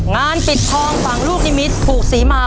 งานปิดทองฝั่งลูกนิมิตรผูกศรีมา